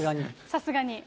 さすがに。